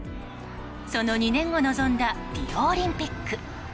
その２年後臨んだリオオリンピック。